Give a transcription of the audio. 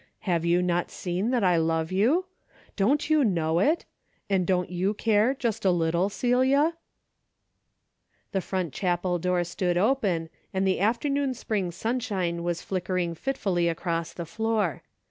Have you not seen that I love you ? Don't you know it ? and don't you care, just a little, Celia ?" The front chapel door stood open, and the afternoon spring sunshine was flickering fit 332 DAILY BATE.'' fully across the floor.